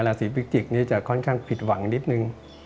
ราศีพิจิกษ์นี้จะค่อนข้างผิดหวังนิดนึง